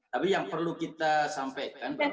tapi yang perlu kita sampaikan